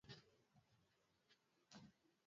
Baada ya kifo chake Guevara alichukuliwa kama nguzo